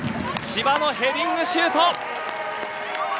千葉のヘディングシュート。